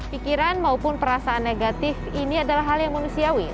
pikiran maupun perasaan negatif ini adalah hal yang manusiawi